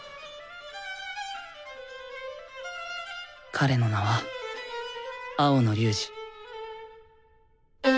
彼の名は青野龍仁。